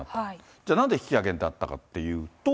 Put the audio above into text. じゃあ、なんで引き上げになったかというと。